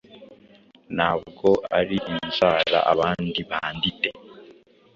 Ntabwo ari inzara Abandi bandite,